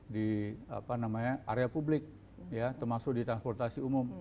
di area publik ya termasuk di transportasi umum